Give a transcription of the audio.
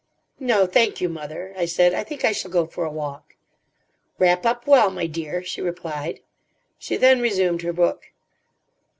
"No, thank you, mother," I said. "I think I shall go for a walk." "Wrap up well, my dear," she replied. She then resumed her book.